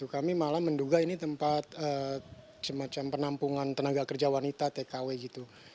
kami malah menduga ini tempat semacam penampungan tenaga kerja wanita tkw gitu